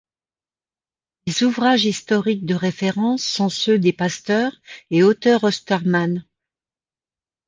Les ouvrages historiques de référence sont ceux des pasteurs et Hother Ostermann.